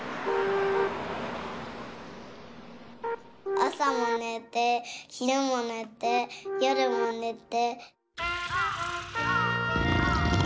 あさもねてひるもねてよるもねて。